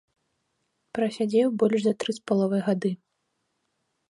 Прасядзеў больш за тры з паловай гады.